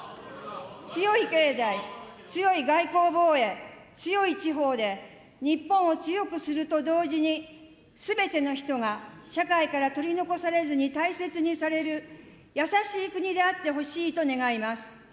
強い経済、強い外交・防衛、強い地方で、日本を強くすると同時に、すべての人が社会から取り残されずに大切にされる優しい国であってほしいと願います。